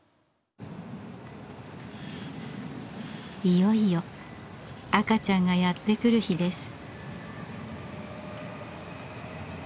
いよいよ赤ちゃんがやって来る日です。